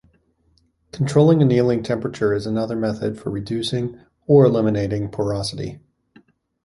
Controlling annealing temperature is another method of reducing or eliminating porosity.